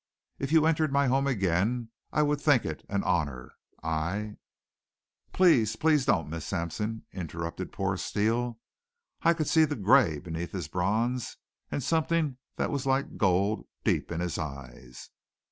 If you entered my home again I would think it an honor. I " "Please please don't, Miss Sampson," interrupted poor Steele. I could see the gray beneath his bronze and something that was like gold deep in his eyes.